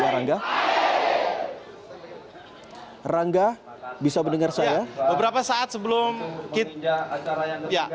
rangga bisa mendengar saya